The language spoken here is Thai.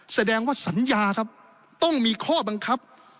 แสดงว่าสัญญาครับต้องมีข้อบังคับ